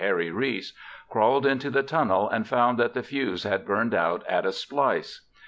Harry Reese) crawled into the tunnel and found that the fuse had burned out at a splice.